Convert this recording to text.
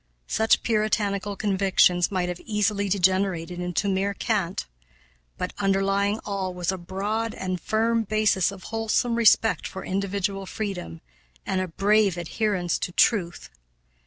Such puritanical convictions might have easily degenerated into mere cant; but underlying all was a broad and firm basis of wholesome respect for individual freedom and a brave adherence to truth.